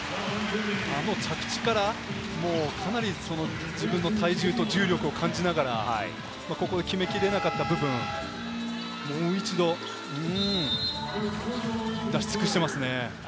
あの着地から自分の体重と重力を感じながら、ここの決めきれなかった部分、もう一度。出し尽くしていますね。